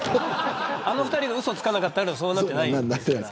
あの２人がうそつかなかったらそうなってないですから。